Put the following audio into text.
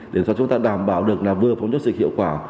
để cho chúng ta đảm bảo được là vừa phòng chống dịch hiệu quả